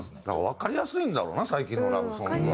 わかりやすいんだろうな最近のラブソングは。